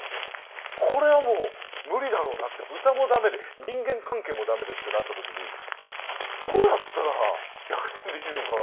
これはもう無理だろうなって豚も駄目で人間関係も駄目でってなった時にどうやったら逆転できるのかが。